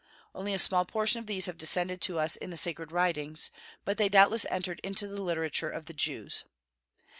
Only a small portion of these have descended to us in the sacred writings, but they doubtless entered into the literature of the Jews.